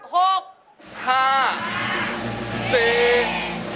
ปิดโว้น